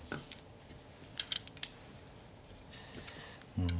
うん。